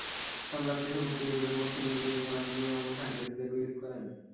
সংলাপ শেষে মুক্তিজোটের পক্ষে নির্বাহী প্রধান আমিনুর রহমান সাংবাদিকদের ব্রিফ করেন।